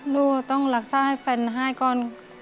ลูกต้องรักษาให้แฟนให้ก่อน